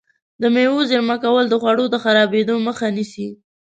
د مېوو زېرمه کول د خوړو د خرابېدو مخه نیسي.